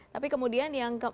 tapi kemudian yang